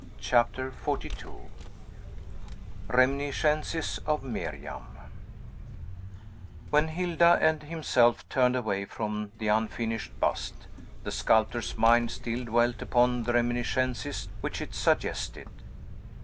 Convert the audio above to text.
CHAPTER XLII REMINISCENCES OF MIRIAM When Hilda and himself turned away from the unfinished bust, the sculptor's mind still dwelt upon the reminiscences which it suggested.